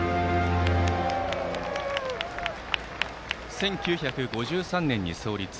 １９５３年に創立。